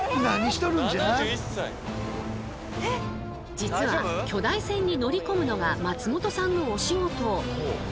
実は巨大船に乗りこむのが松本さんのお仕事。